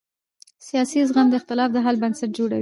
سیاسي زغم د اختلاف د حل بنسټ جوړوي